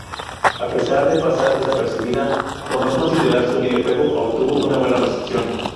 A pesar de pasar desapercibida por no considerarse un videojuego, obtuvo una buena recepción.